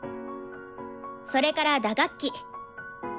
それから打楽器。